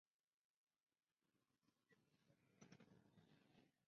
Summer y Zach quieren llevar La relación muy en serio.